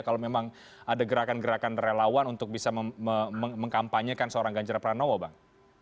kalau memang ada gerakan gerakan relawan untuk bisa mengkampanyekan seorang ganjar pranowo bang